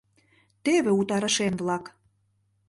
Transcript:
— Теве утарышем-влак!